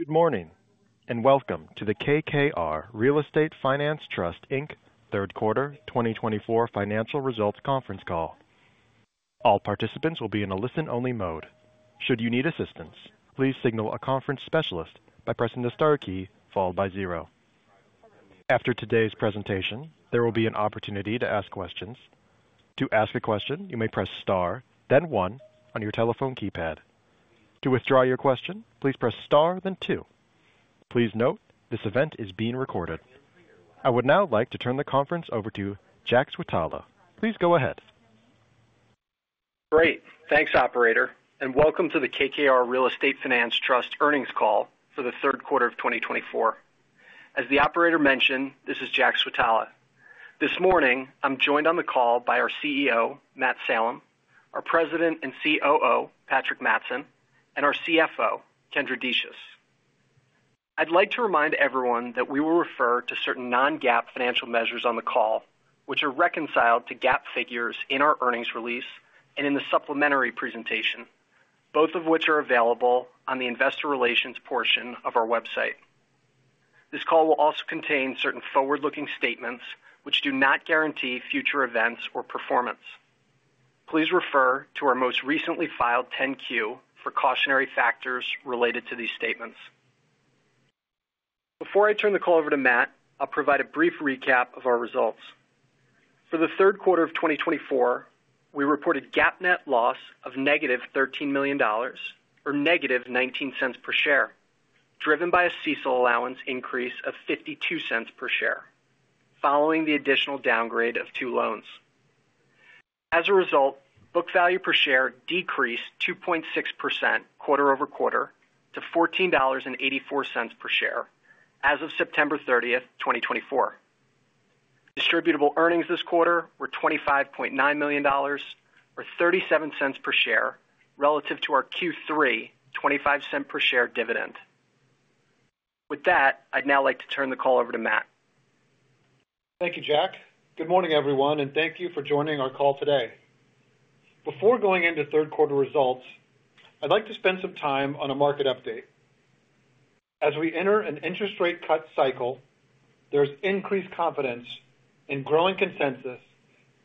Good morning, and welcome to the KKR Real Estate Finance Trust, Inc. third quarter 2024 financial results conference call. All participants will be in a listen-only mode. Should you need assistance, please signal a conference specialist by pressing the star key followed by zero. After today's presentation, there will be an opportunity to ask questions. To ask a question, you may press star, then one on your telephone keypad. To withdraw your question, please press star then two. Please note, this event is being recorded. I would now like to turn the conference over to Jack Switala. Please go ahead. Great. Thanks, operator, and welcome to the KKR Real Estate Finance Trust earnings call for the third quarter of twenty twenty-four. As the operator mentioned, this is Jack Switala. This morning, I'm joined on the call by our CEO, Matt Salem; our President and COO, Patrick Mattson; and our CFO, Kendra Decius. I'd like to remind everyone that we will refer to certain non-GAAP financial measures on the call, which are reconciled to GAAP figures in our earnings release and in the supplementary presentation, both of which are available on the investor relations portion of our website. This call will also contain certain forward-looking statements, which do not guarantee future events or performance. Please refer to our most recently filed 10-Q for cautionary factors related to these statements. Before I turn the call over to Matt, I'll provide a brief recap of our results. For the third quarter of 2024, we reported GAAP net loss of negative $13 million or negative $0.19 per share, driven by a CECL allowance increase of $0.52 per share, following the additional downgrade of two loans. As a result, book value per share decreased 2.6% quarter over quarter to $14.84 per share as of September thirtieth, 2024. Distributable earnings this quarter were $25.9 million, or $0.37 per share, relative to our Q3 $0.25 per share dividend. With that, I'd now like to turn the call over to Matt. Thank you, Jack. Good morning, everyone, and thank you for joining our call today. Before going into third quarter results, I'd like to spend some time on a market update. As we enter an interest rate cut cycle, there's increased confidence in growing consensus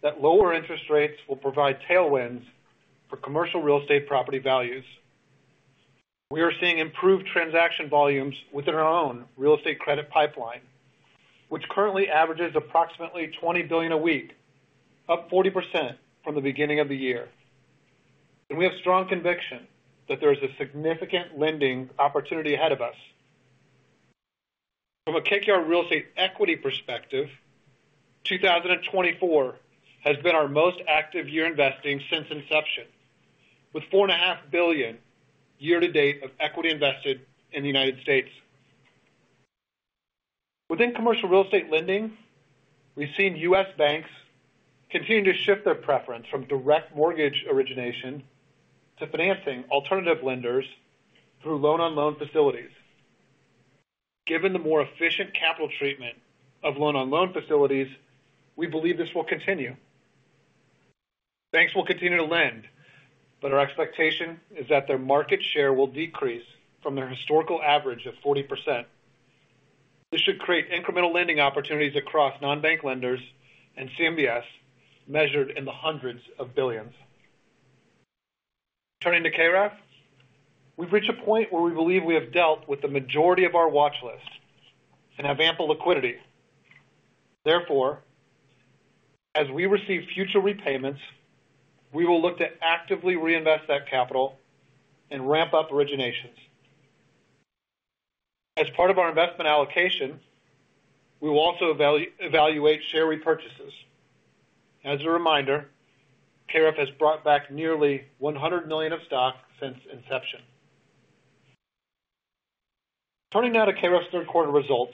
that lower interest rates will provide tailwinds for commercial real estate property values. We are seeing improved transaction volumes within our own real estate credit pipeline, which currently averages approximately $20 billion a week, up 40% from the beginning of the year, and we have strong conviction that there is a significant lending opportunity ahead of us. From a KKR real estate equity perspective, 2024 has been our most active year investing since inception, with $4.5 billion year to date of equity invested in the United States. Within commercial real estate lending, we've seen U.S. banks continue to shift their preference from direct mortgage origination to financing alternative lenders through loan-on-loan facilities. Given the more efficient capital treatment of loan-on-loan facilities, we believe this will continue. Banks will continue to lend, but our expectation is that their market share will decrease from their historical average of 40%. This should create incremental lending opportunities across non-bank lenders and CMBS, measured in the hundreds of billions. Turning to KREF, we've reached a point where we believe we have dealt with the majority of our watch list and have ample liquidity. Therefore, as we receive future repayments, we will look to actively reinvest that capital and ramp up originations. As part of our investment allocation, we will also evaluate share repurchases. As a reminder, KREF has brought back nearly $100 million of stock since inception. Turning now to KREF's third quarter results.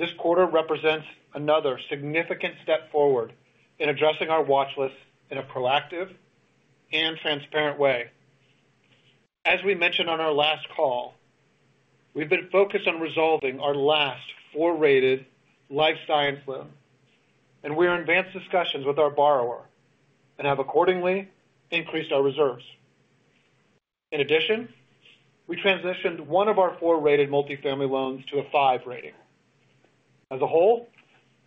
This quarter represents another significant step forward in addressing our watch list in a proactive and transparent way. As we mentioned on our last call, we've been focused on resolving our last four-rated life science loan, and we are in advanced discussions with our borrower and have accordingly increased our reserves. In addition, we transitioned one of our four-rated multifamily loans to a five rating. As a whole,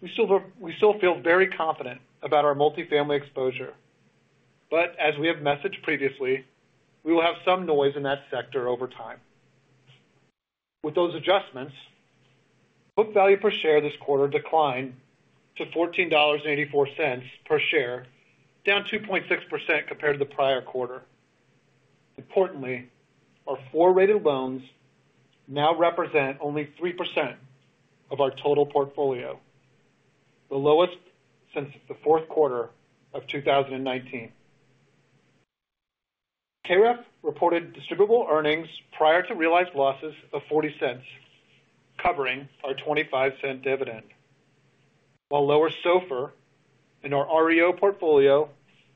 we still, we still feel very confident about our multifamily exposure, but as we have messaged previously, we will have some noise in that sector over time. With those adjustments, book value per share this quarter declined to $14.84 per share, down 2.6% compared to the prior quarter. Importantly, our four-rated loans now represent only 3% of our total portfolio, the lowest since the fourth quarter of 2019. KREF reported distributable earnings prior to realized losses of $0.40, covering our $0.25 dividend. While lower SOFR in our REO portfolio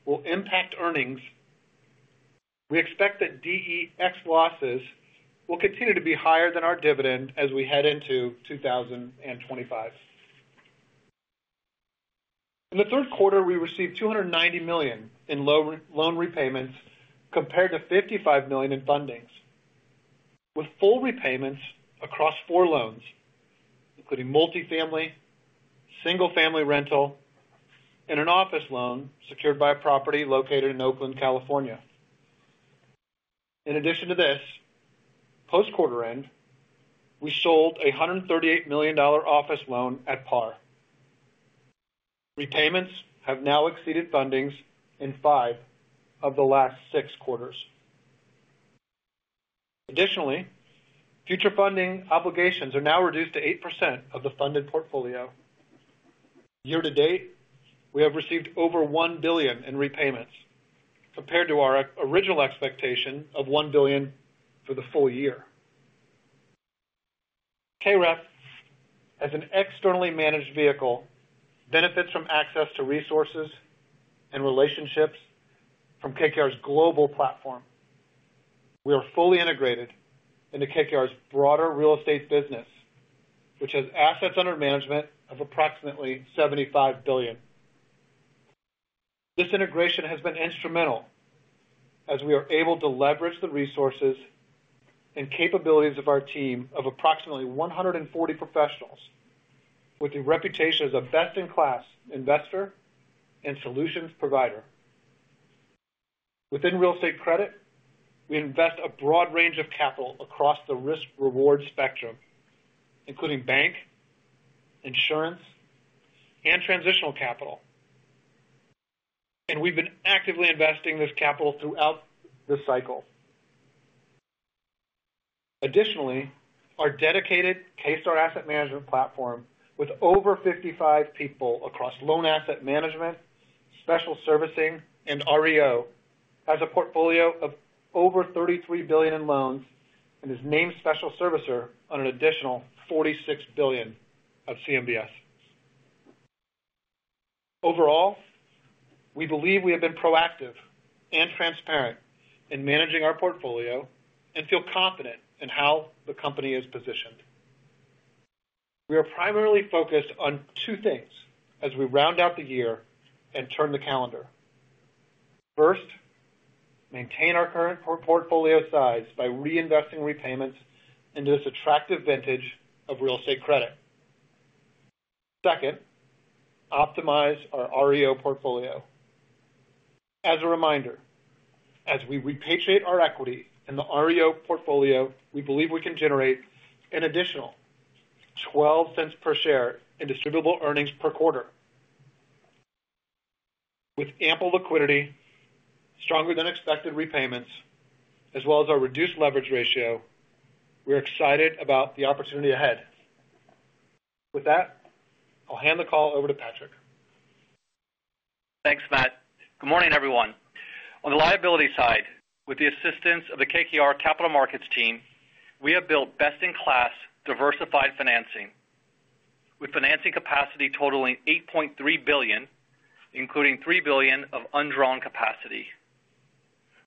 will impact earnings, we expect that REO losses will continue to be higher than our dividend as we head into 2025. In the third quarter, we received $290 million in loan repayments compared to $55 million in fundings, with full repayments across four loans, including multifamily, single-family rental, and an office loan secured by a property located in Oakland, California. In addition to this, post-quarter end, we sold a $138 million office loan at par. Repayments have now exceeded fundings in five of the last six quarters. Additionally, future funding obligations are now reduced to 8% of the funded portfolio. Year to date, we have received over $1 billion in repayments, compared to our original expectation of $1 billion for the full year. KREF, as an externally managed vehicle, benefits from access to resources and relationships from KKR's global platform. We are fully integrated into KKR's broader real estate business, which has assets under management of approximately $75 billion. This integration has been instrumental as we are able to leverage the resources and capabilities of our team of approximately 140 professionals with the reputation as a best-in-class investor and solutions provider. Within real estate credit, we invest a broad range of capital across the risk-reward spectrum, including bank, insurance, and transitional capital, and we've been actively investing this capital throughout this cycle. Additionally, our dedicated K-Star Asset Management platform, with over 55 people across loan asset management, special servicing, and REO, has a portfolio of over $33 billion in loans and is named special servicer on an additional $46 billion of CMBS. Overall, we believe we have been proactive and transparent in managing our portfolio and feel confident in how the company is positioned. We are primarily focused on two things as we round out the year and turn the calendar. First, maintain our current portfolio size by reinvesting repayments into this attractive vintage of real estate credit. Second, optimize our REO portfolio. As a reminder, as we repatriate our equity in the REO portfolio, we believe we can generate an additional $0.12 per share in distributable earnings per quarter. With ample liquidity, stronger than expected repayments, as well as our reduced leverage ratio, we're excited about the opportunity ahead. With that, I'll hand the call over to Patrick. Thanks, Matt. Good morning, everyone. On the liability side, with the assistance of the KKR Capital Markets team, we have built best-in-class diversified financing, with financing capacity totaling $8.3 billion, including $3 billion of undrawn capacity.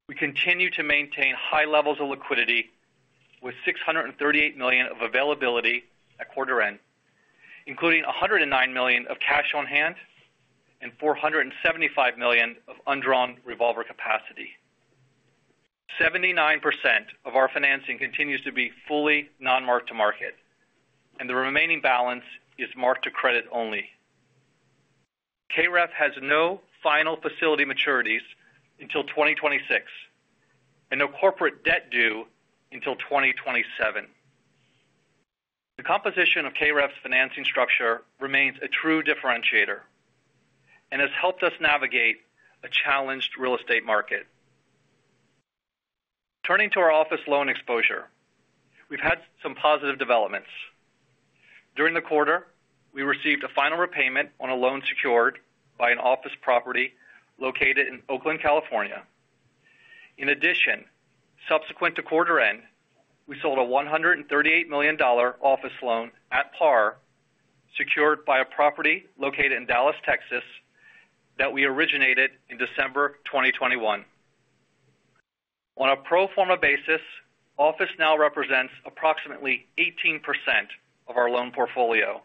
We continue to maintain high levels of liquidity with $638 million of availability at quarter end, including $109 million of cash on hand and $475 million of undrawn revolver capacity. 79% of our financing continues to be fully non-mark-to-market, and the remaining balance is mark-to-credit only. KREF has no final facility maturities until 2026 and no corporate debt due until 2027. The composition of KREF's financing structure remains a true differentiator and has helped us navigate a challenged real estate market. Turning to our office loan exposure, we've had some positive developments. During the quarter, we received a final repayment on a loan secured by an office property located in Oakland, California. In addition, subsequent to quarter end, we sold a $138 million office loan at par, secured by a property located in Dallas, Texas, that we originated in December 2021. On a pro forma basis, office now represents approximately 18% of our loan portfolio.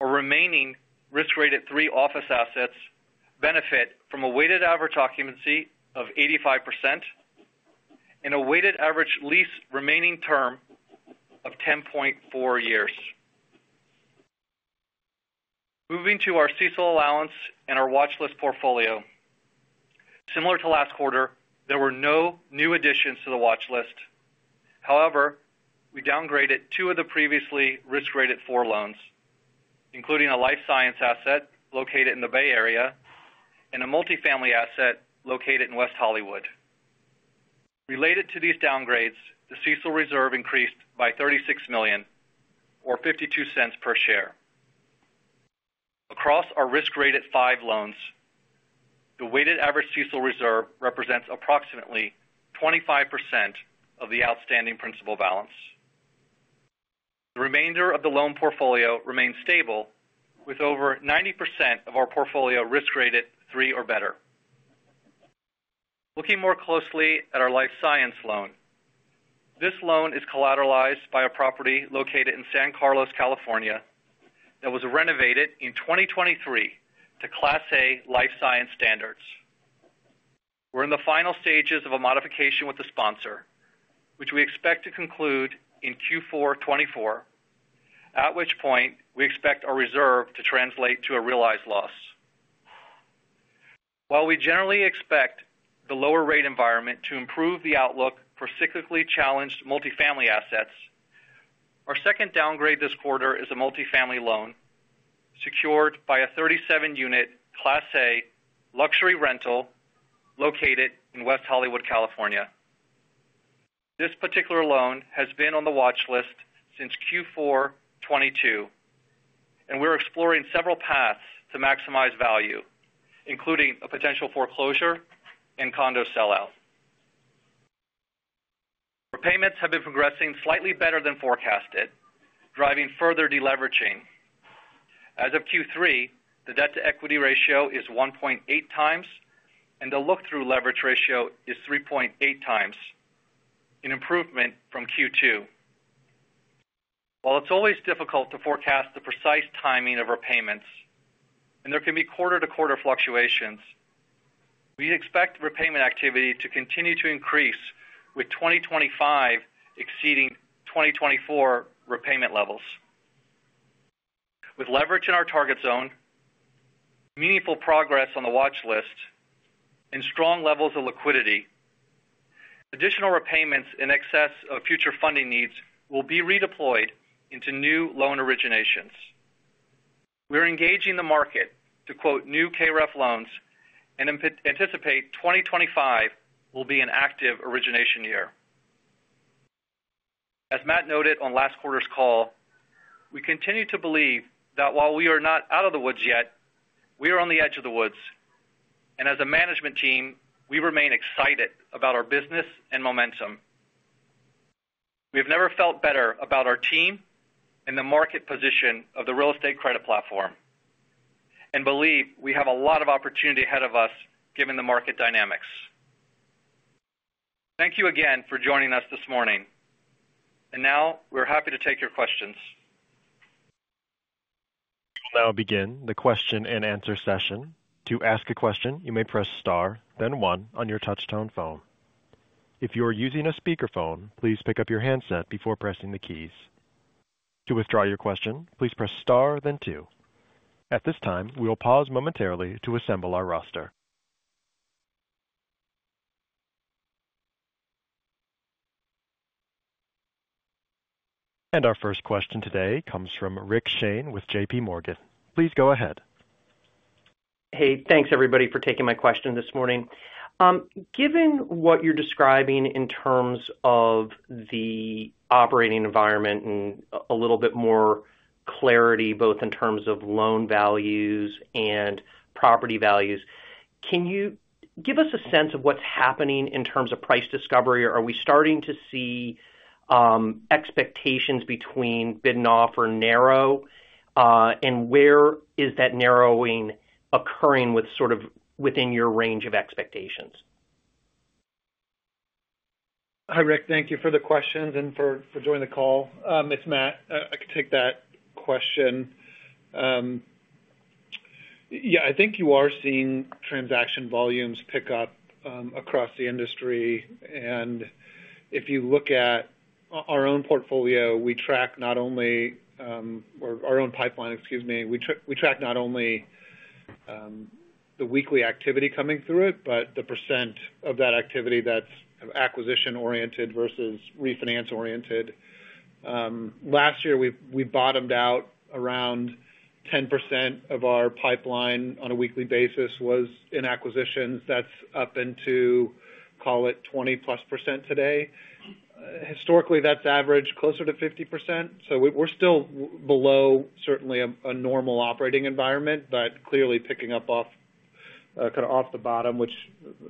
Our remaining risk-rated three office assets benefit from a weighted average occupancy of 85% and a weighted average lease remaining term of 10.4 years. Moving to our CECL allowance and our watchlist portfolio. Similar to last quarter, there were no new additions to the watchlist. However, we downgraded two of the previously risk-rated four loans, including a life science asset located in the Bay Area and a multifamily asset located in West Hollywood. Related to these downgrades, the CECL reserve increased by $36 million or $0.52 per share. Across our risk-rated 5 loans, the weighted average CECL reserve represents approximately 25% of the outstanding principal balance. The remainder of the loan portfolio remains stable, with over 90% of our portfolio risk-rated 3 or better. Looking more closely at our life science loan. This loan is collateralized by a property located in San Carlos, California, that was renovated in 2023 to Class A life science standards. We're in the final stages of a modification with the sponsor, which we expect to conclude in Q4 2024, at which point we expect our reserve to translate to a realized loss. While we generally expect the lower rate environment to improve the outlook for cyclically challenged multifamily assets, our second downgrade this quarter is a multifamily loan secured by a thirty-seven unit Class A luxury rental located in West Hollywood, California. This particular loan has been on the watch list since Q4 2022, and we're exploring several paths to maximize value, including a potential foreclosure and condo sellout. Repayments have been progressing slightly better than forecasted, driving further deleveraging. As of Q3, the debt-to-equity ratio is one point eight times, and the look-through leverage ratio is three point eight times, an improvement from Q2. While it's always difficult to forecast the precise timing of repayments, and there can be quarter-to-quarter fluctuations, we expect repayment activity to continue to increase, with 2025 exceeding 2024 repayment levels. With leverage in our target zone, meaningful progress on the watch list and strong levels of liquidity, additional repayments in excess of future funding needs will be redeployed into new loan originations. We are engaging the market to quote new KREF loans and anticipate 2025 will be an active origination year. As Matt noted on last quarter's call, we continue to believe that while we are not out of the woods yet, we are on the edge of the woods, and as a management team, we remain excited about our business and momentum. We have never felt better about our team and the market position of the real estate credit platform and believe we have a lot of opportunity ahead of us given the market dynamics. Thank you again for joining us this morning. Now we're happy to take your questions. We'll now begin the question-and-answer session. To ask a question, you may press Star, then one on your touchtone phone. If you are using a speakerphone, please pick up your handset before pressing the keys. To withdraw your question, please press Star then two. At this time, we will pause momentarily to assemble our roster. And our first question today comes from Rick Shane with J.P. Morgan. Please go ahead. Hey, thanks, everybody, for taking my question this morning. Given what you're describing in terms of the operating environment and a little bit more clarity, both in terms of loan values and property values, can you give us a sense of what's happening in terms of price discovery? Or are we starting to see expectations between bid and offer narrow? And where is that narrowing occurring with sort of within your range of expectations? Hi, Rick. Thank you for the questions and for joining the call. It's Matt. I can take that question. Yeah, I think you are seeing transaction volumes pick up across the industry, and if you look at our own portfolio, we track not only our own pipeline, excuse me. We track not only the weekly activity coming through it, but the percent of that activity that's acquisition-oriented versus refinance-oriented. Last year, we bottomed out around 10% of our pipeline on a weekly basis was in acquisitions. That's up into, call it, 20-plus% today. Historically, that's averaged closer to 50%. So we're still below certainly a normal operating environment, but clearly picking up off kind of the bottom, which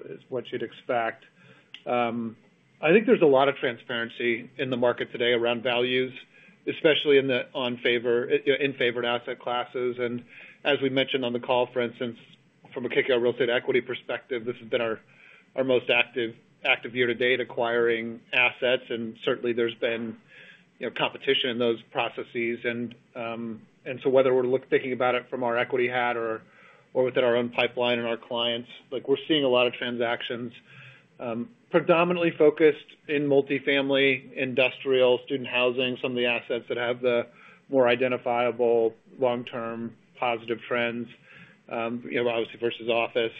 is what you'd expect. I think there's a lot of transparency in the market today around values, especially in the favored asset classes. And as we mentioned on the call, for instance, from a KKR real estate equity perspective, this has been our most active year to date, acquiring assets, and certainly there's been, you know, competition in those processes. And so whether we're thinking about it from our equity hat or within our own pipeline and our clients, like, we're seeing a lot of transactions, predominantly focused in multifamily, industrial, student housing, some of the assets that have the more identifiable long-term positive trends, you know, obviously versus office.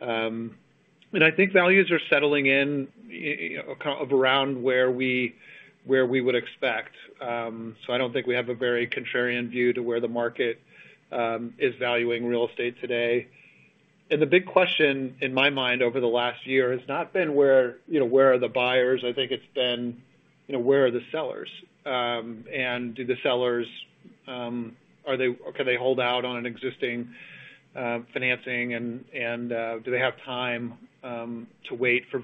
And I think values are settling in, you know, kind of around where we would expect. So I don't think we have a very contrarian view to where the market is valuing real estate today. And the big question in my mind over the last year has not been where, you know, where are the buyers? I think it's been, you know, where are the sellers? And do the sellers, can they hold out on an existing financing, and do they have time to wait for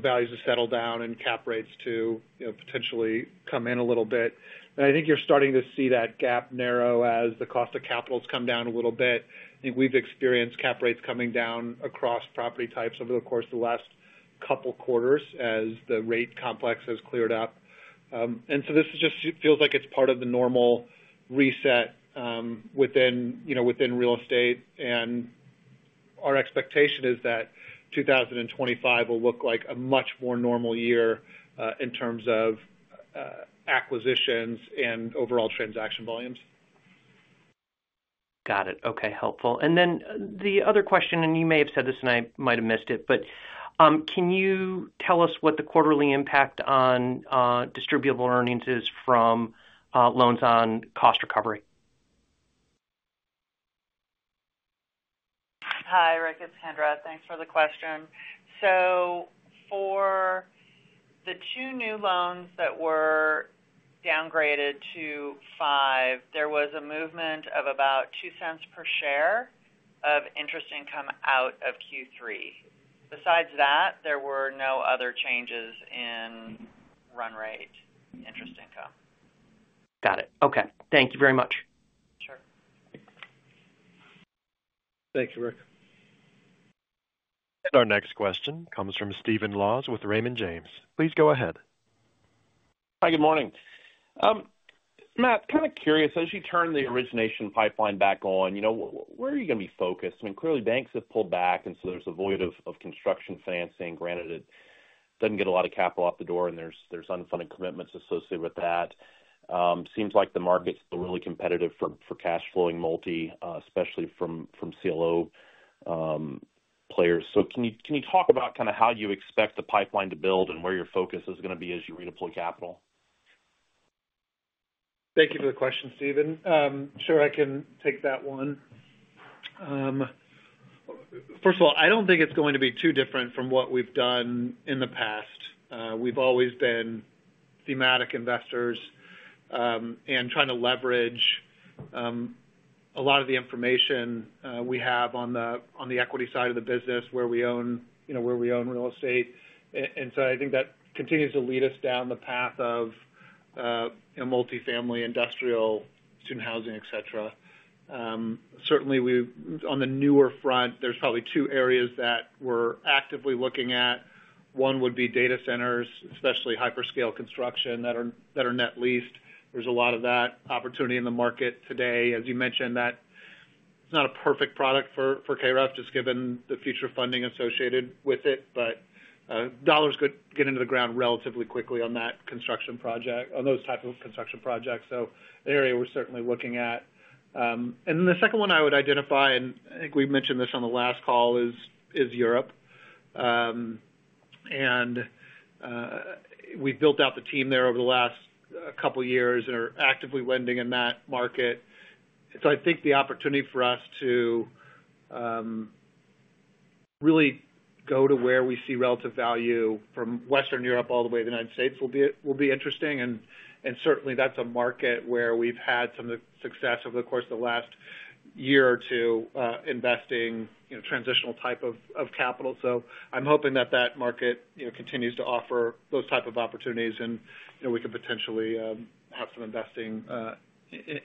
values to settle down and cap rates to, you know, potentially come in a little bit. And I think you're starting to see that gap narrow as the cost of capital has come down a little bit. I think we've experienced cap rates coming down across property types over the course of the last couple quarters as the rate complex has cleared up. And so this just feels like it's part of the normal reset, within, you know, within real estate, and our expectation is that 2025 will look like a much more normal year, in terms of acquisitions and overall transaction volumes. Got it. Okay, helpful. And then the other question, and you may have said this, and I might have missed it, but, can you tell us what the quarterly impact on, distributable earnings is from, loans on cost recovery? Hi, Rick, it's Kendra. Thanks for the question. So for the two new loans that were downgraded to five, there was a movement of about $0.02 per share of interest income out of Q3. Besides that, there were no other changes in run rate interest income. Got it. Okay. Thank you very much. Sure. Thank you, Rick. Our next question comes from Steven Laws with Raymond James. Please go ahead. Hi, good morning. Matt, kind of curious, as you turn the origination pipeline back on, you know, where are you going to be focused? I mean, clearly, banks have pulled back, and so there's a void of construction financing. Granted, it doesn't get a lot of capital off the door, and there's unfunded commitments associated with that. Seems like the market's still really competitive for cash flowing multi, especially from CLO players. So can you talk about kind of how you expect the pipeline to build and where your focus is going to be as you redeploy capital? Thank you for the question, Steven. Sure, I can take that one. First of all, I don't think it's going to be too different from what we've done in the past. We've always been thematic investors, and trying to leverage a lot of the information we have on the equity side of the business, where we own, you know, where we own real estate. And so I think that continues to lead us down the path of, you know, multifamily, industrial, student housing, et cetera. Certainly we on the newer front, there's probably two areas that we're actively looking at. One would be data centers, especially hyperscale construction, that are net leased. There's a lot of that opportunity in the market today. As you mentioned that it's not a perfect product for KREF, just given the future funding associated with it, but dollars could get into the ground relatively quickly on that construction project, on those type of construction projects, so an area we're certainly looking at. And then the second one I would identify, and I think we mentioned this on the last call, is Europe, and we've built out the team there over the last couple of years and are actively lending in that market, so I think the opportunity for us to really go to where we see relative value from Western Europe all the way to the United States will be interesting. Certainly that's a market where we've had some success over the course of the last year or two, investing, you know, transitional type of capital, so I'm hoping that market, you know, continues to offer those type of opportunities, and, you know, we could potentially have some investing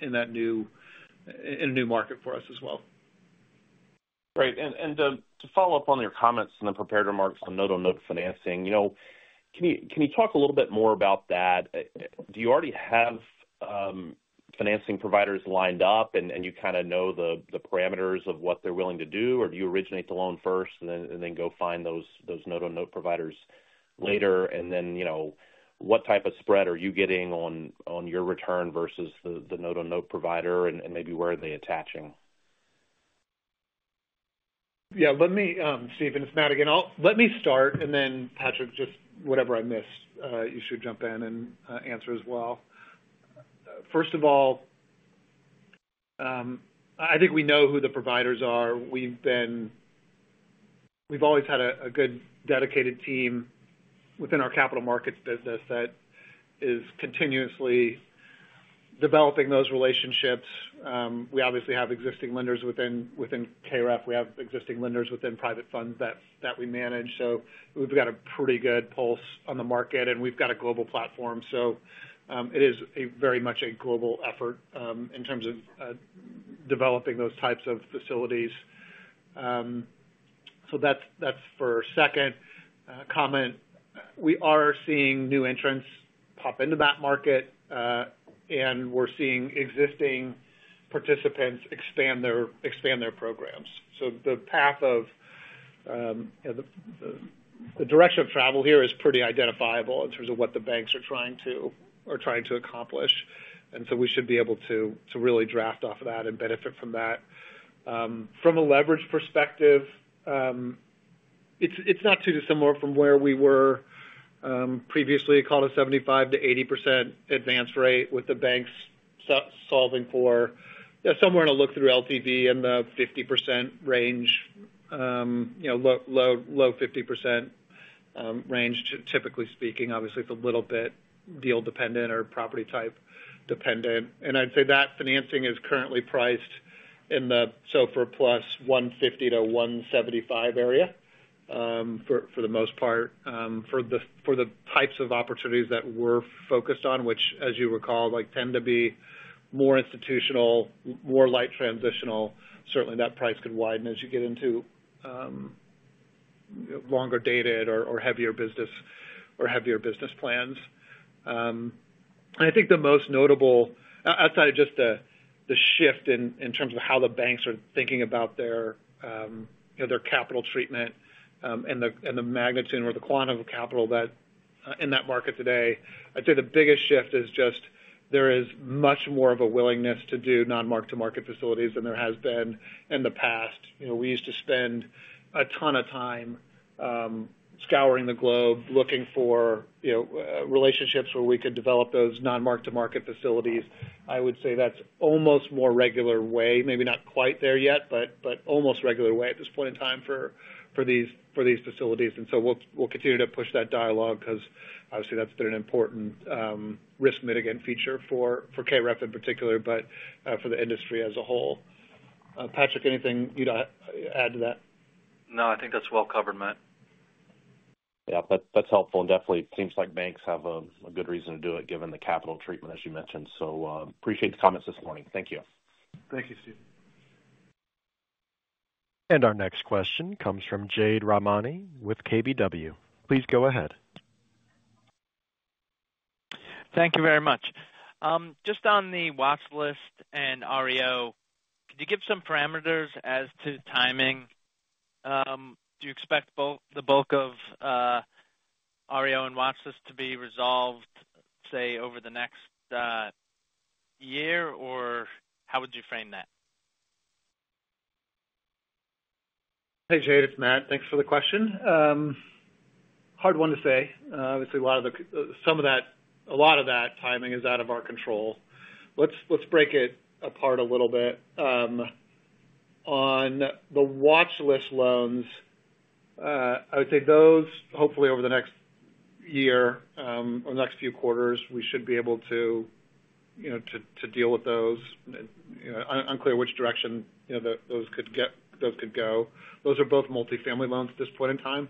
in a new market for us as well. Great. And to follow up on your comments and the prepared remarks on note-on-note financing, you know, can you talk a little bit more about that? Do you already have financing providers lined up, and you kind of know the parameters of what they're willing to do, or do you originate the loan first and then go find those note-on-note providers later? And then, you know, what type of spread are you getting on your return versus the note-on-note provider, and maybe where are they attaching? Yeah, let me, Steven, it's Matt again. Let me start, and then, Patrick, just whatever I missed, you should jump in and answer as well. First of all, I think we know who the providers are. We've always had a good dedicated team within our capital markets business that is continuously developing those relationships. We obviously have existing lenders within KREF. We have existing lenders within private funds that we manage. So we've got a pretty good pulse on the market, and we've got a global platform. So, it is a very much a global effort in terms of developing those types of facilities. So that's for a second comment. We are seeing new entrants pop into that market, and we're seeing existing participants expand their programs. So the path of, you know, the direction of travel here is pretty identifiable in terms of what the banks are trying to are trying to accomplish. And so we should be able to really draft off of that and benefit from that. From a leverage perspective, it's not too dissimilar from where we were previously. Call it 75%-80% advance rate, with the banks solving for, yeah, somewhere in the look-through LTV, in the 50% range, you know, low 50% range, typically speaking. Obviously, it's a little bit deal dependent or property type dependent. And I'd say that financing is currently priced in the SOFR plus 150-175 area, for the most part. For the types of opportunities that we're focused on, which, as you recall, like tend to be more institutional, more light transitional, certainly that price could widen as you get into longer dated or heavier business plans. I think the most notable, outside of just the shift in terms of how the banks are thinking about their, you know, their capital treatment, and the magnitude or the quantum of capital that in that market today. I'd say the biggest shift is just there is much more of a willingness to do non-mark-to-market facilities than there has been in the past. You know, we used to spend a ton of time scouring the globe, looking for, you know, relationships where we could develop those non-mark-to-market facilities. I would say that's almost more regular way, maybe not quite there yet, but almost regular way at this point in time for these facilities, and so we'll continue to push that dialogue because obviously that's been an important risk mitigant feature for KREF in particular, but for the industry as a whole. Patrick, anything you'd add to that? No, I think that's well covered, Matt. Yeah, that's helpful, and definitely seems like banks have a good reason to do it, given the capital treatment, as you mentioned. So, appreciate the comments this morning. Thank you. Thank you, Steve. And our next question comes from Jade Rahmani with KBW. Please go ahead. Thank you very much. Just on the watch list and REO, could you give some parameters as to timing? Do you expect the bulk of REO and watch list to be resolved, say, over the next year, or how would you frame that? Hey, Jade, it's Matt. Thanks for the question. Hard one to say. Obviously, some of that, a lot of that timing is out of our control. Let's break it apart a little bit. On the watch list loans, I would say those, hopefully, over the next year, or the next few quarters, we should be able to, you know, to deal with those. You know, unclear which direction, you know, those could get, those could go. Those are both multifamily loans at this point in time.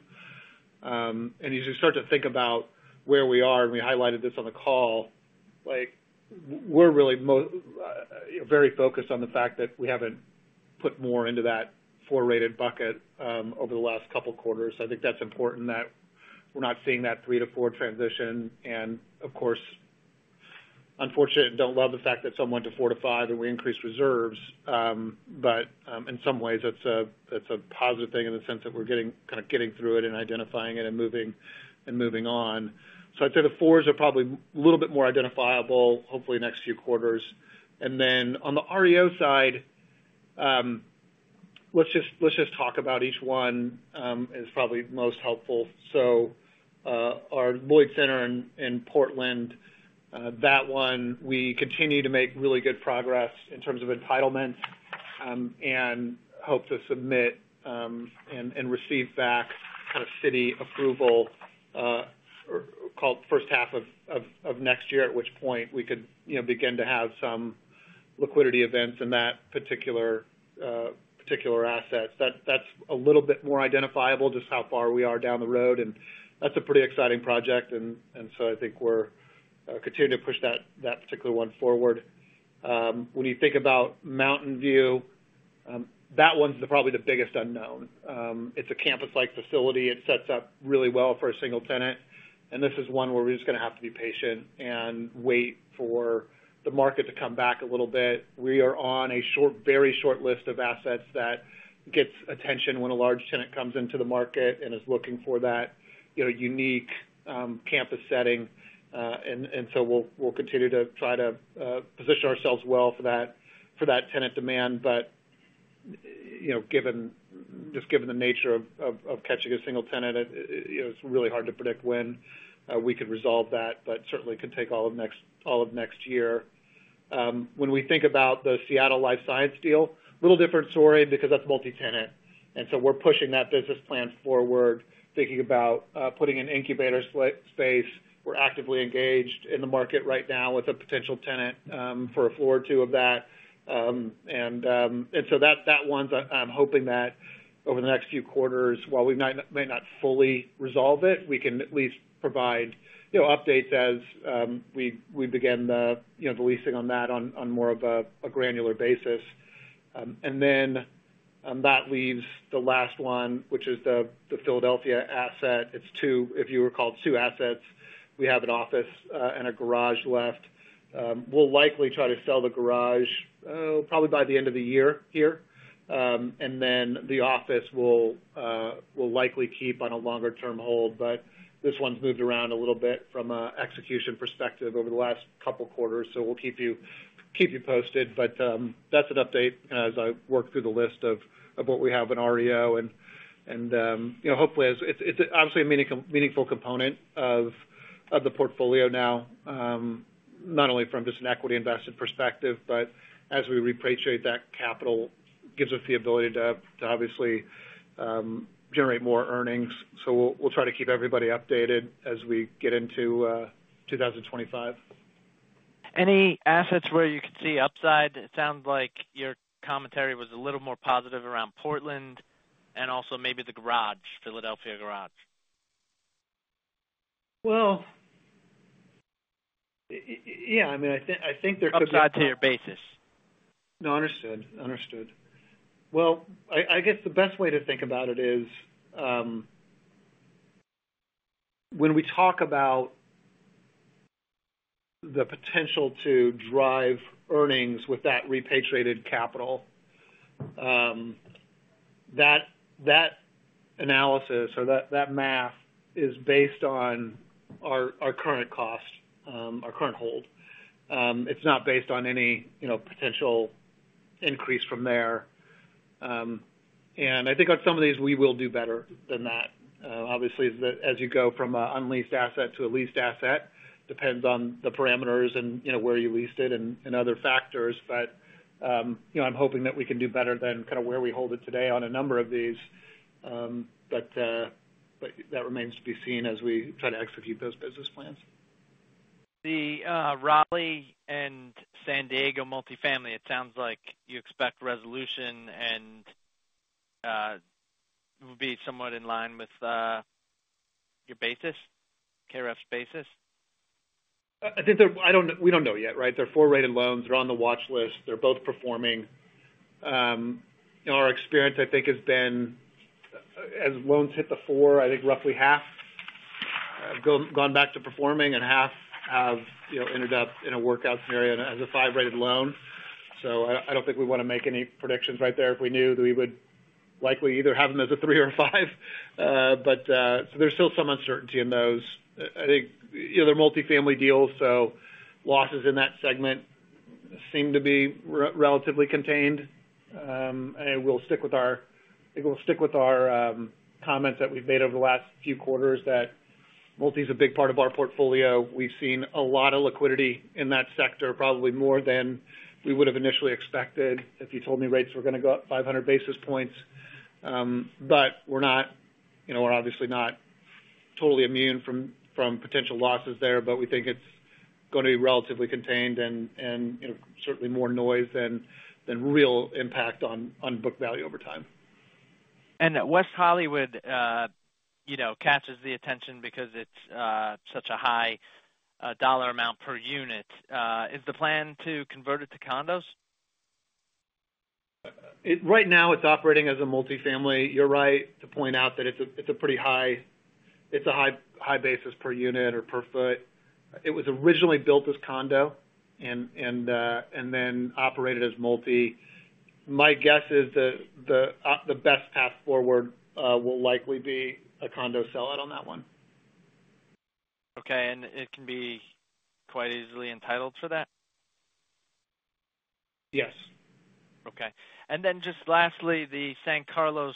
And as you start to think about where we are, and we highlighted this on the call, like we're really, you know, very focused on the fact that we haven't put more into that four-rated bucket, over the last couple of quarters. So I think that's important that we're not seeing that three to four transition. And of course, unfortunately, don't love the fact that some went to four to five, and we increased reserves. But in some ways, it's a positive thing in the sense that we're kind of getting through it and identifying it and moving on. So I'd say the fours are probably a little bit more identifiable, hopefully, next few quarters. And then on the REO side, let's just talk about each one is probably most helpful. So our Lloyd Center in Portland, that one, we continue to make really good progress in terms of entitlement, and hope to submit and receive back kind of city approval, or call it first half of next year, at which point we could, you know, begin to have some liquidity events in that particular asset. That's a little bit more identifiable, just how far we are down the road, and that's a pretty exciting project, and so I think we're continuing to push that particular one forward. When you think about Mountain View, that one's probably the biggest unknown. It's a campus-like facility. It sets up really well for a single tenant, and this is one where we're just gonna have to be patient and wait for the market to come back a little bit. We are on a short, very short list of assets that gets attention when a large tenant comes into the market and is looking for that, you know, unique, campus setting. And so we'll continue to try to position ourselves well for that, for that tenant demand. But, you know, given the nature of catching a single tenant, it, you know, it's really hard to predict when we could resolve that, but certainly could take all of next year. When we think about the Seattle life science deal, a little different story, because that's multi-tenant, and so we're pushing that business plan forward, thinking about putting an incubator space. We're actively engaged in the market right now with a potential tenant for a floor or two of that. And so that one, I'm hoping that over the next few quarters, while we might not may not fully resolve it, we can at least provide, you know, updates as we begin the, you know, the leasing on that on more of a granular basis. And then that leaves the last one, which is the Philadelphia asset. It's two, if you recall, two assets. We have an office and a garage left. We'll likely try to sell the garage, probably by the end of the year here, and then the office we'll likely keep on a longer-term hold, but this one's moved around a little bit from an execution perspective over the last couple of quarters, so we'll keep you posted, but that's an update as I work through the list of what we have in REO and you know, hopefully, as it's obviously a meaningful component of the portfolio now, not only from just an equity investment perspective, but as we repatriate that capital gives us the ability to obviously generate more earnings, so we'll try to keep everybody updated as we get into two thousand and twenty-five. Any assets where you can see upside? It sounds like your commentary was a little more positive around Portland and also maybe the garage, Philadelphia garage. Yeah, I mean, I think there could be- Upside to your basis. No, understood. Understood. Well, I guess the best way to think about it is, when we talk about the potential to drive earnings with that repatriated capital, that analysis or that math is based on our current cost, our current hold. It's not based on any, you know, potential increase from there. And I think on some of these, we will do better than that. Obviously, as you go from a unleased asset to a leased asset, depends on the parameters and, you know, where you leased it and other factors. But, you know, I'm hoping that we can do better than kinda where we hold it today on a number of these. But that remains to be seen as we try to execute those business plans. The Raleigh and San Diego multifamily, it sounds like you expect resolution and will be somewhat in line with your basis, KREF's basis? I think they're. I don't know. We don't know yet, right? They're four-rated loans. They're on the watch list. They're both performing. In our experience, I think has been, as loans hit the four, I think roughly half gone back to performing and half have, you know, ended up in a workout scenario and as a five-rated loan. So I don't think we wanna make any predictions right there. If we knew, we would likely either have them as a three or a five. But so there's still some uncertainty in those. I think, you know, they're multifamily deals, so losses in that segment seem to be relatively contained. And we'll stick with our. I think we'll stick with our, comments that we've made over the last few quarters that multi is a big part of our portfolio. We've seen a lot of liquidity in that sector, probably more than we would have initially expected if you told me rates were gonna go up 500 basis points. But we're not, you know, we're obviously not totally immune from potential losses there, but we think it's gonna be relatively contained and you know, certainly more noise than real impact on book value over time. And West Hollywood, you know, catches the attention because it's such a high dollar amount per unit. Is the plan to convert it to condos? Right now, it's operating as a multifamily. You're right to point out that it's a, it's a pretty high. It's a high, high basis per unit or per foot. It was originally built as condo and then operated as multi. My guess is that the best path forward will likely be a condo sellout on that one. Okay, and it can be quite easily entitled for that? Yes. Okay. And then just lastly, the San Carlos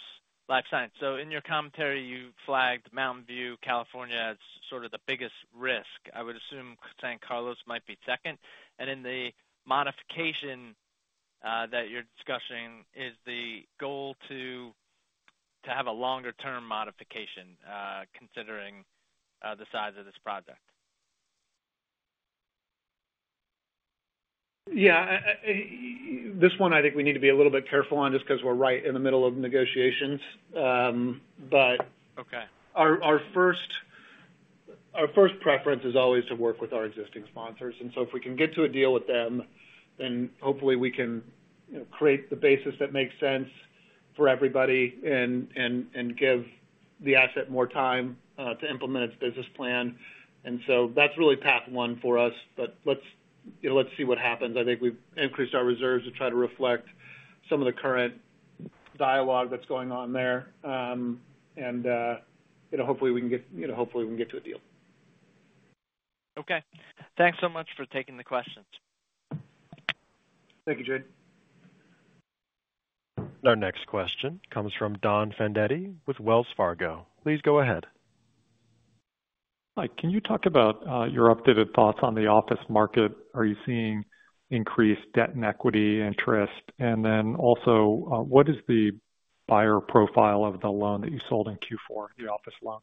life science. So in your commentary, you flagged Mountain View, California, as sort of the biggest risk. I would assume San Carlos might be second. And in the modification that you're discussing, is the goal to, to have a longer-term modification considering the size of this project? Yeah, this one, I think we need to be a little bit careful on, just 'cause we're right in the middle of negotiations. But- Okay. Our first preference is always to work with our existing sponsors, and so if we can get to a deal with them, then hopefully we can, you know, create the basis that makes sense for everybody and give the asset more time to implement its business plan. So that's really path one for us. Let's, you know, see what happens. I think we've increased our reserves to try to reflect some of the current dialogue that's going on there. You know, hopefully we can get to a deal. Okay. Thanks so much for taking the questions. Thank you, Jade. Our next question comes from Don Fandetti with Wells Fargo. Please go ahead. Hi, can you talk about your updated thoughts on the office market? Are you seeing increased debt and equity interest? And then also, what is the buyer profile of the loan that you sold in Q4, the office loan?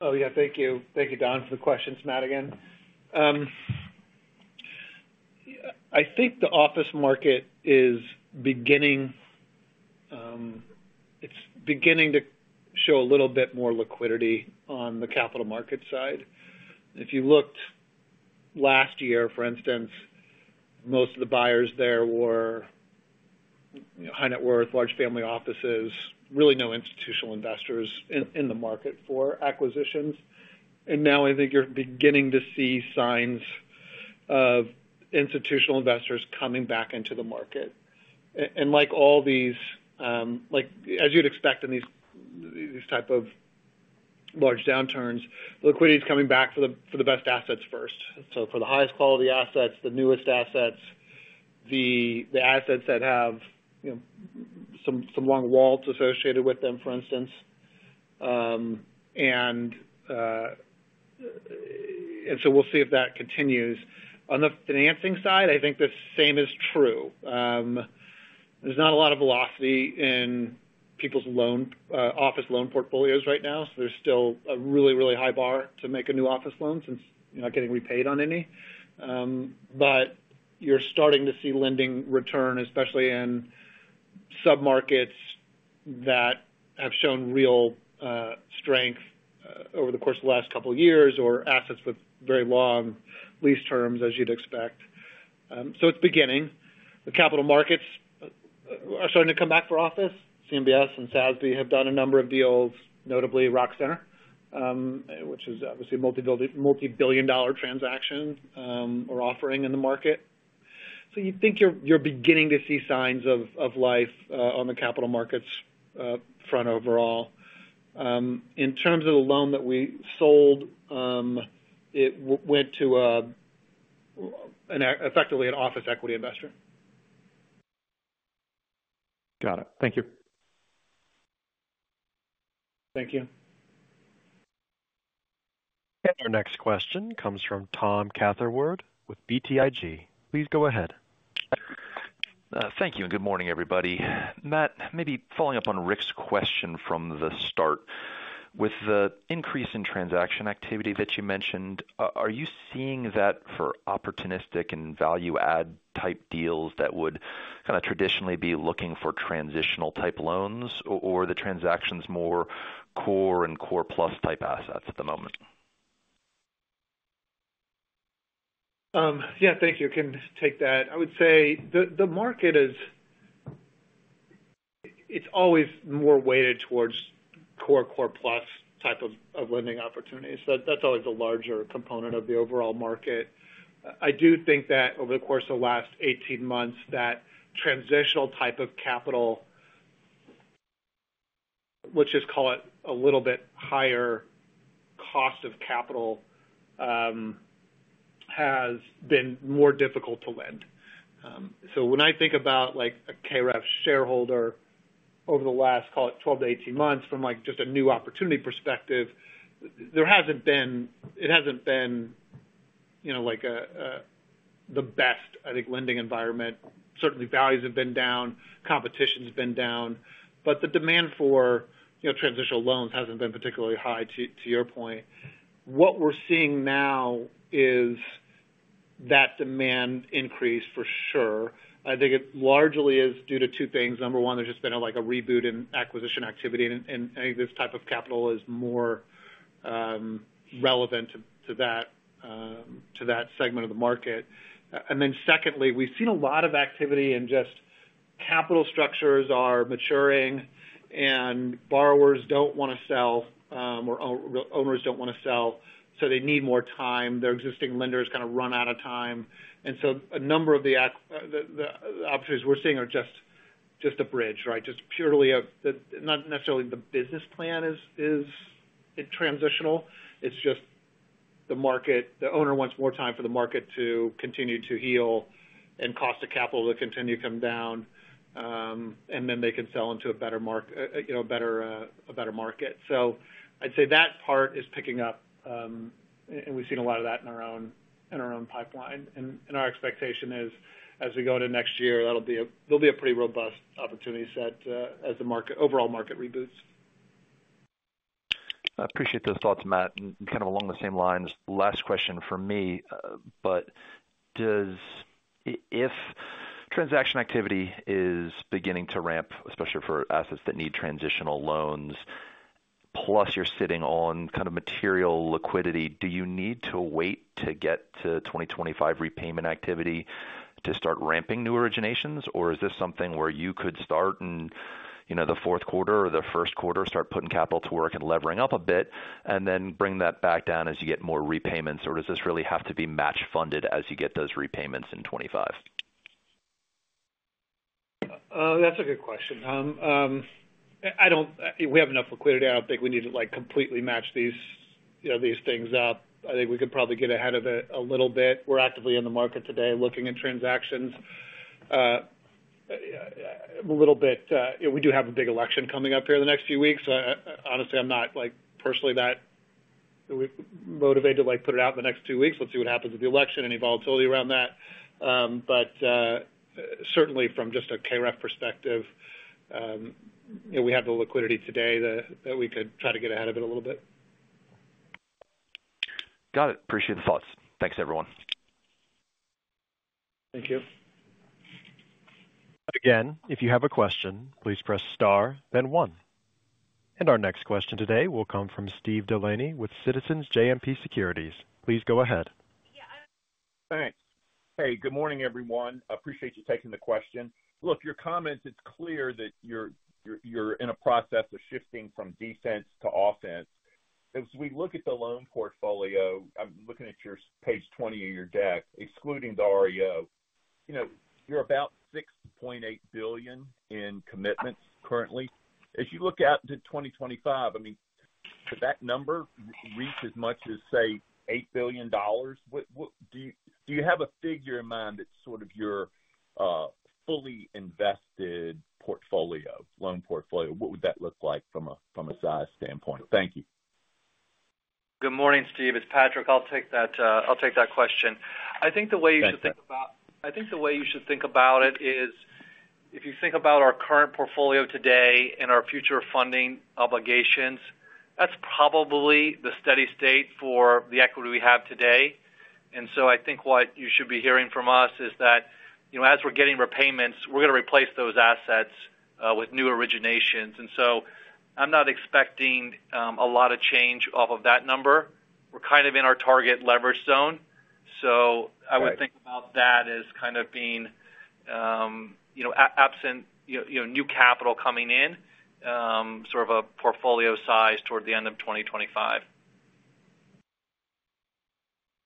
Oh, yeah, thank you. Thank you, Don, for the questions. Matt again. I think the office market is beginning to show a little bit more liquidity on the capital market side. If you looked last year, for instance, most of the buyers there were, you know, high net worth, large family offices, really no institutional investors in the market for acquisitions. And now I think you're beginning to see signs of institutional investors coming back into the market. And like all these. Like, as you'd expect in these type of large downturns, liquidity is coming back for the best assets first. So for the highest quality assets, the newest assets, the assets that have, you know, some long leases associated with them, for instance, and so we'll see if that continues. On the financing side, I think the same is true. There's not a lot of velocity in people's loan, office loan portfolios right now, so there's still a really, really high bar to make a new office loan since you're not getting repaid on any, but you're starting to see lending return, especially in submarkets that have shown real strength over the course of the last couple of years, or assets with very long lease terms, as you'd expect, so it's beginning. The capital markets are starting to come back for office. CMBS and SASB have done a number of deals, notably Rock Center, which is obviously a multi-billion, multi-billion dollar transaction, or offering in the market, so you think you're beginning to see signs of life on the capital markets front overall. In terms of the loan that we sold, it went to an effective office equity investor. Got it. Thank you. Thank you. Our next question comes from Tom Catherwood with BTIG. Please go ahead. Thank you, and good morning, everybody. Matt, maybe following up on Rick's question from the start. With the increase in transaction activity that you mentioned, are you seeing that for opportunistic and value add type deals that would kind of traditionally be looking for transitional type loans, or, or the transactions more core and core plus type assets at the moment? Yeah, thank you. I can take that. I would say the market is. It's always more weighted towards core, core plus type of lending opportunities. That's always a larger component of the overall market. I do think that over the course of the last eighteen months, that transitional type of capital, let's just call it a little bit higher cost of capital, has been more difficult to lend. So when I think about, like, a KREF shareholder over the last, call it, twelve to eighteen months, from, like, just a new opportunity perspective, there hasn't been. It hasn't been, you know, like a the best, I think, lending environment. Certainly, values have been down, competition's been down, but the demand for, you know, transitional loans hasn't been particularly high, to your point. What we're seeing now is that demand increase for sure. I think it largely is due to two things. Number one, there's just been, like, a reboot in acquisition activity, and I think this type of capital is more relevant to that segment of the market. And then secondly, we've seen a lot of activity in just capital structures are maturing and borrowers don't wanna sell, or owners don't wanna sell, so they need more time. Their existing lenders kind of run out of time, and so a number of the opportunities we're seeing are just a bridge, right? Just purely a not necessarily the business plan is transitional, it's just the market. The owner wants more time for the market to continue to heal and cost of capital to continue to come down, and then they can sell into a better, you know, a better market. So I'd say that part is picking up, and we've seen a lot of that in our own pipeline. Our expectation is, as we go into next year, that'll be a pretty robust opportunity set, as the overall market reboots. I appreciate those thoughts, Matt. And kind of along the same lines, last question from me. But does, if transaction activity is beginning to ramp, especially for assets that need transitional loans, plus you're sitting on kind of material liquidity, do you need to wait to get to 2025 repayment activity to start ramping new originations? Or is this something where you could start in, you know, the fourth quarter or the first quarter, start putting capital to work and levering up a bit, and then bring that back down as you get more repayments? Or does this really have to be match funded as you get those repayments in 2025? That's a good question. We have enough liquidity. I don't think we need to, like, completely match these, you know, these things up. I think we could probably get ahead of it a little bit. We're actively in the market today, looking at transactions. A little bit, we do have a big election coming up here in the next few weeks. Honestly, I'm not, like, personally, that motivated to, like, put it out in the next two weeks. Let's see what happens with the election, any volatility around that. Certainly from just a KREF perspective, you know, we have the liquidity today that we could try to get ahead of it a little bit. Got it. Appreciate the thoughts. Thanks, everyone. Thank you. Again, if you have a question, please press star then one. And our next question today will come from Steve Delaney with Citizens JMP Securities. Please go ahead. Yeah, thanks. Hey, good morning, everyone. Appreciate you taking the question. Look, your comments, it's clear that you're in a process of shifting from defense to offense. As we look at the loan portfolio, I'm looking at your page 20 of your deck, excluding the REO. You know, you're about $6.8 billion in commitments currently. As you look out to 2025, I mean. Could that number reach as much as, say, $8 billion? What do you have a figure in mind that's sort of your fully invested portfolio, loan portfolio? What would that look like from a size standpoint? Thank you. Good morning, Steve. It's Patrick. I'll take that question. I think the way you should think about- Thanks. I think the way you should think about it is, if you think about our current portfolio today and our future funding obligations, that's probably the steady state for the equity we have today. And so I think what you should be hearing from us is that, you know, as we're getting repayments, we're going to replace those assets with new originations. And so I'm not expecting a lot of change off of that number. We're kind of in our target leverage zone. Right. I would think about that as kind of being, you know, absent, you know, new capital coming in, sort of a portfolio size toward the end of 2025.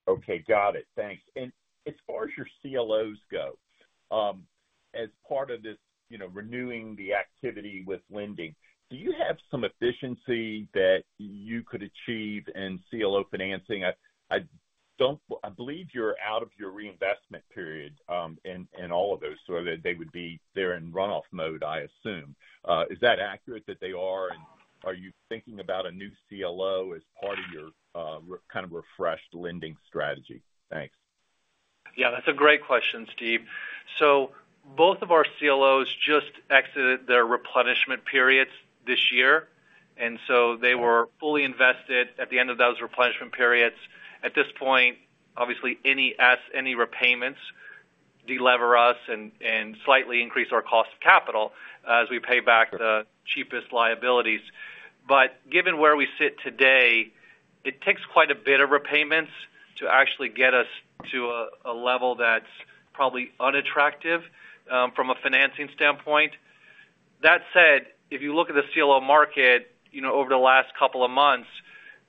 Okay. Got it. Thanks. And as far as your CLOs go, as part of this, you know, renewing the activity with lending, do you have some efficiency that you could achieve in CLO financing? I don't believe you're out of your reinvestment period, and all of those, so they would be there in run-off mode, I assume. Is that accurate that they are, and are you thinking about a new CLO as part of your refreshed lending strategy? Thanks. Yeah, that's a great question, Steve. So both of our CLOs just exited their replenishment periods this year, and so they were fully invested at the end of those replenishment periods. At this point, obviously, any repayments de-lever us and slightly increase our cost of capital as we pay back the cheapest liabilities. But given where we sit today, it takes quite a bit of repayments to actually get us to a level that's probably unattractive from a financing standpoint. That said, if you look at the CLO market, you know, over the last couple of months,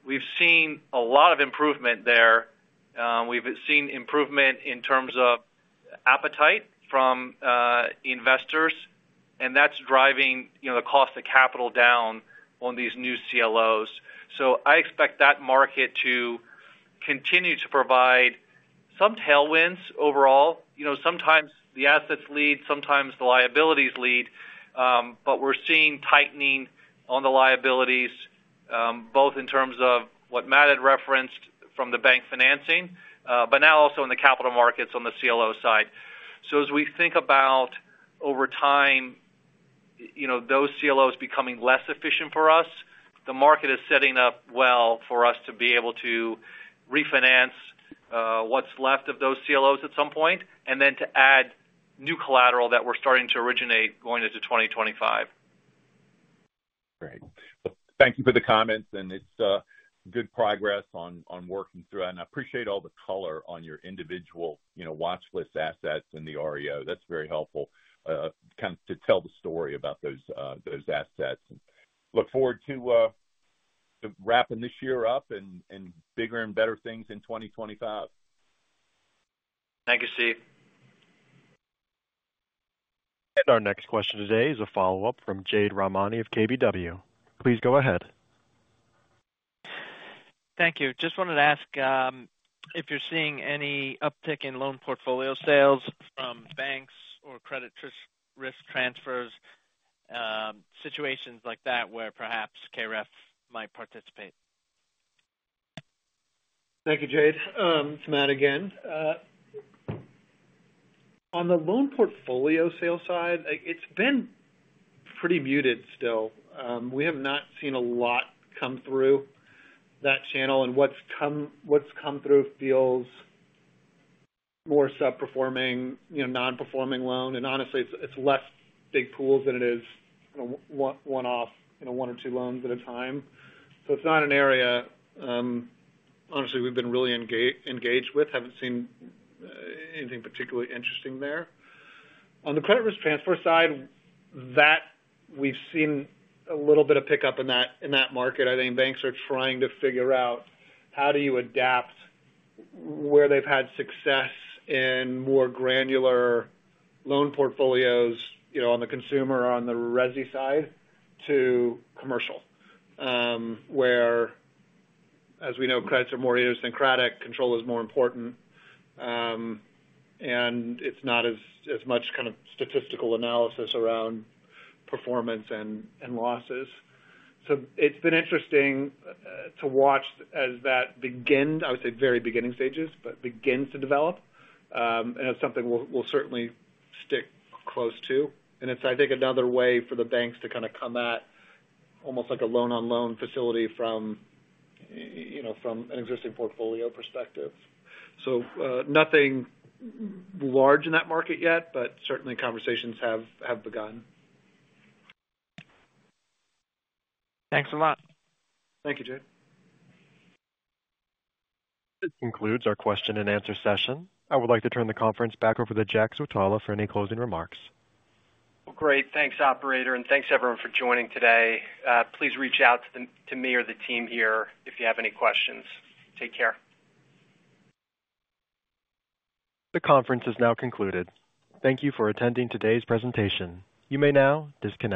we've seen a lot of improvement there. We've seen improvement in terms of appetite from investors, and that's driving, you know, the cost of capital down on these new CLOs. So I expect that market to continue to provide some tailwinds overall. You know, sometimes the assets lead, sometimes the liabilities lead, but we're seeing tightening on the liabilities, both in terms of what Matt had referenced from the bank financing, but now also in the capital markets on the CLO side. So as we think about over time, you know, those CLOs becoming less efficient for us, the market is setting up well for us to be able to refinance, what's left of those CLOs at some point, and then to add new collateral that we're starting to originate going into 2025. Great. Thank you for the comments, and it's good progress on working through it. And I appreciate all the color on your individual, you know, watch list assets in the REO. That's very helpful, kind of to tell the story about those assets. Look forward to wrapping this year up and bigger and better things in twenty twenty-five. Thank you, Steve. Our next question today is a follow-up from Jade Rahmani of KBW. Please go ahead. Thank you. Just wanted to ask, if you're seeing any uptick in loan portfolio sales from banks or credit risk transfers, situations like that, where perhaps KREF might participate? Thank you, Jade. It's Matt again. On the loan portfolio sales side, it's been pretty muted still. We have not seen a lot come through that channel, and what's come through feels more subperforming, you know, non-performing loan. And honestly, it's less big pools than it is, you know, one-off, you know, one or two loans at a time. So it's not an area, honestly, we've been really engaged with. Haven't seen anything particularly interesting there. On the credit risk transfer side, that we've seen a little bit of pickup in that market. I think banks are trying to figure out how do you adapt where they've had success in more granular loan portfolios, you know, on the consumer, on the resi side to commercial, where, as we know, credits are more idiosyncratic, control is more important, and it's not as much kind of statistical analysis around performance and losses. So it's been interesting to watch as that begins, I would say, very beginning stages, but begins to develop. And it's something we'll certainly stick close to. And it's, I think, another way for the banks to kind of come at almost like a loan-on-loan facility from, you know, from an existing portfolio perspective. So nothing large in that market yet, but certainly conversations have begun. Thanks a lot. Thank you, Jade. This concludes our question-and-answer session. I would like to turn the conference back over to Jack Switala for any closing remarks. Great. Thanks, operator, and thanks everyone for joining today. Please reach out to me or the team here if you have any questions. Take care. The conference is now concluded. Thank you for attending today's presentation. You may now disconnect.